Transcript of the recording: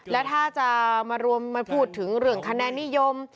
และถ้าจะมาพูดถึงเรื่องคะแนนนิยม